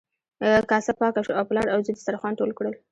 کاسه پاکه شوه او پلار او زوی دسترخوان ټول کړل.